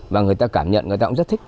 và người ta cảm nhận người ta cũng rất thích